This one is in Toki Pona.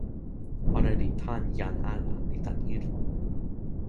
ona li tan jan ala li tan ilo.